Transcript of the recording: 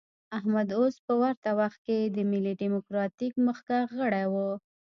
احمد عز په ورته وخت کې د ملي ډیموکراتیک مخکښ غړی و.